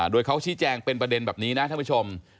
โดยเขาชี้แจงเป็นประเด็นแบบนี้นะท่านผู้ชม